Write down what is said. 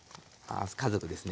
家族ですね。